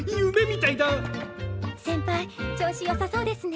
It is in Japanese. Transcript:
先輩調子よさそうですね。